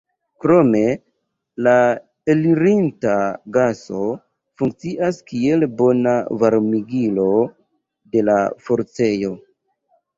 Krome la elirinta gaso funkcias kiel bona varmigilo de la forcejo.